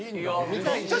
見たいし。